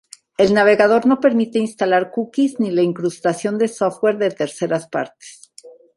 El navegador no permite instalar cookies ni la incrustación de software de terceras partes.